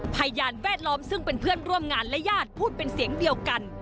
พยานแวดล้อมซึ่งเป็นเพื่อนร่วมงานและญาติพูดเป็นเสียงเดียวกัน